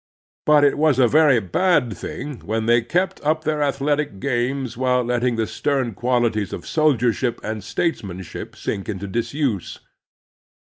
But it was a very bad thing when they kept up their athletic games while letting the stem quali ties of soldiership and statesmanship sink into dis use.